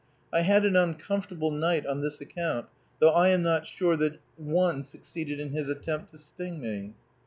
I had an uncomfortable night on this account though I am not sure that one succeeded in his attempt to sting me.